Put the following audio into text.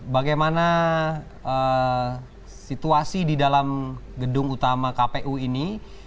bagaimana situasi di dalam gedung utama kpu ini